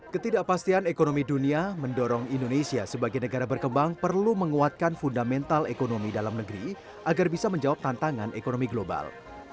ketidakpastian ekonomi dunia mendorong indonesia sebagai negara berkembang perlu menguatkan fundamental ekonomi dalam negeri agar bisa menjawab tantangan ekonomi global